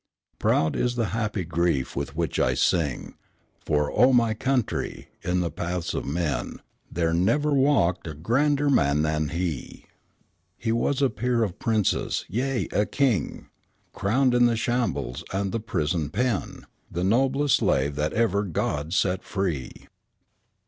Proud is the happy grief with which I sing; For, O my Country! in the paths of men There never walked a grander man than he! He was a peer of princes yea, a king! Crowned in the shambles and the prison pen! The noblest Slave that ever God set free!"